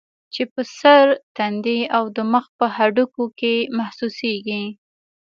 چې پۀ سر ، تندي او د مخ پۀ هډوکو کې محسوسيږي